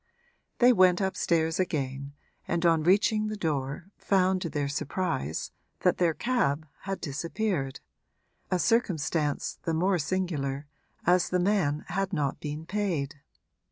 They went upstairs again and on reaching the door found to their surprise that their cab had disappeared a circumstance the more singular as the man had not been paid.